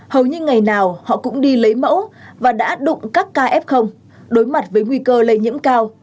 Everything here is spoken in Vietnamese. hầu như ngày nào họ cũng đi lấy mẫu và đã đụng các ca f đối mặt với nguy cơ lây nhiễm cao